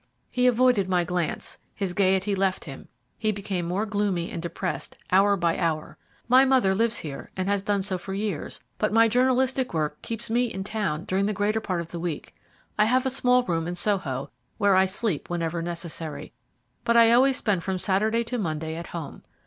He avoided my glance, his gaiety left him, he became more gloomy and depressed hour by hour. My mother lives here, and has done so for years, but my journalistic work keeps me in town during the greater part of the week. I have a small room in Soho, where I sleep whenever necessary, but I always spend from Saturday to Monday at home.